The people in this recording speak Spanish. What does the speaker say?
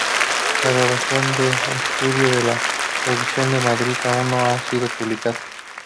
La grabación de estudio de la producción de Madrid aún no ha sido publicada.